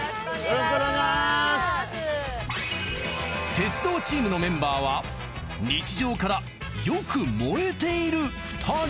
鉄道チームのメンバーは日常からよく燃えている２人。